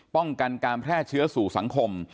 ป้องกันการแพร่เชื้อสู่สังคม